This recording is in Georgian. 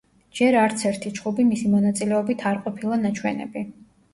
ჯერ არც ერთი ჩხუბი მისი მონაწილეობით არ ყოფილა ნაჩვენები.